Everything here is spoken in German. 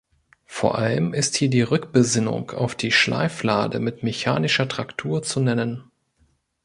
Vor allem ist hier die Rückbesinnung auf die Schleiflade mit mechanischer Traktur zu nennen.